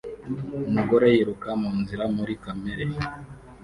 Umugore yiruka munzira muri kamere